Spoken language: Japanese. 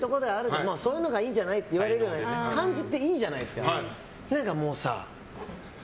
そういうのがいいんじゃないって言われるような感じっていいじゃないですか。